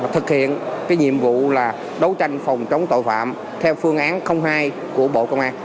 thực hiện nhiệm vụ là đấu tranh phòng chống tội phạm theo phương án hai của bộ công an